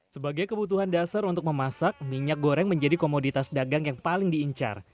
sebagai kebutuhan dasar untuk memasak minyak goreng menjadi komoditas dagang yang paling diincar